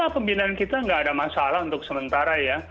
karena pembinaan kita tidak ada masalah untuk sementara ya